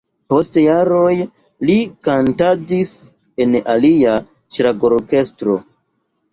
Post jaroj li kantadis en alia ŝlagrorkestro.